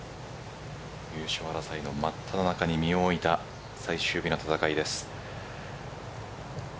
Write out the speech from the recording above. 優勝争いのまっただ中に身を置いた最終日の戦いです。